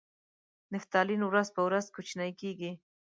نفتالین ورځ په ورځ کوچنۍ کیږي.